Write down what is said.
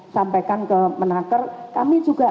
sampaikan ke menaker kami juga